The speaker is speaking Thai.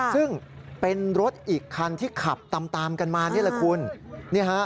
ซึ่งเป็นรถอีกคันที่ขับตามกันมานี่แหละคุณ